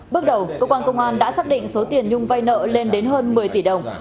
bước đầu cơ quan công an đã xác định số tiền nhung vay nợ lên đến hơn một mươi tỷ đồng